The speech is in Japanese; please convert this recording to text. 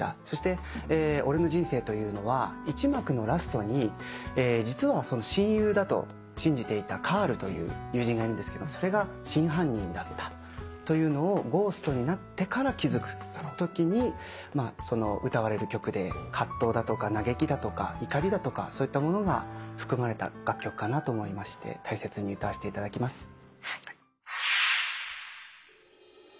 そして『俺の人生』というのは一幕のラストに実は親友だと信じていたカールという友人がいるんですけどそれが真犯人だったというのをゴーストになってから気付くときに歌われる曲で葛藤だとか嘆きだとか怒りだとかそういったものが含まれた楽曲かなと思いまして大切に歌わせていただきます。